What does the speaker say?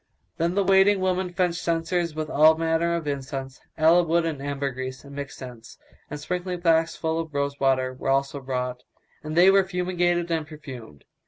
Then the waiting women fetched censers with all manner of incense, aloe wood and ambergris and mixed scents; and sprinkling flasks full of rose water were also brought and they were fumigated and perfumed.